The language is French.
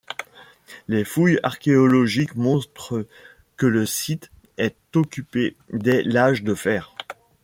Les fouilles archéologiques montrent que le site est occupé dès l'âge de fer.